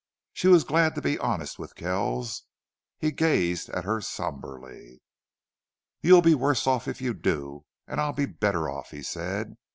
She was glad to be honest with Kells. He gazed at her somberly. "You'll be worse off it you do and I'll be better off," he said.